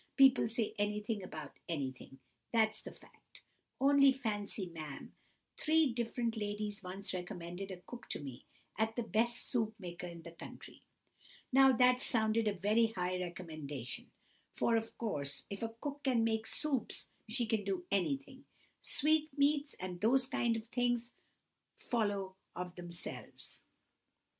People say anything about anything, that's the fact! Only fancy, ma'am, three different ladies once recommended a cook to me as the best soup maker in the country. Now that sounded a very high recommendation, for, of course, if a cook can make soups, she can do anything—sweetmeats and those kind of things follow of themselves.